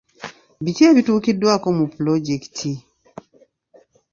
Biki ebituukiddwako mu pulojekiti?